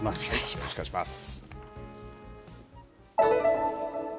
よろしくお願いします。